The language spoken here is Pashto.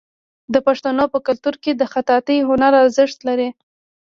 د پښتنو په کلتور کې د خطاطۍ هنر ارزښت لري.